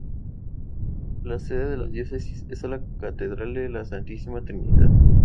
La sede de la Diócesis es la Catedral de la Santísima Trinidad.